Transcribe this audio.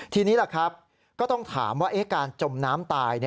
ทีนี้ก็ต้องถามว่าการจมน้ำตาย